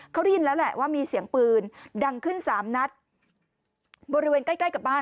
เขาได้ยินแล้วแหละว่ามีเสียงปืนดังขึ้นสามนัดบริเวณใกล้ใกล้กับบ้าน